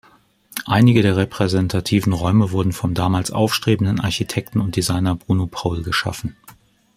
Einige der repräsentativen Räume wurden vom damals aufstrebenden Architekten und Designer Bruno Paul geschaffen.